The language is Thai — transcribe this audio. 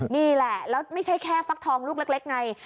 นี่แหละแล้วไม่ใช่แค่ฟักทองลูกเล็กไง